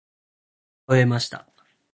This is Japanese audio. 花を植えました。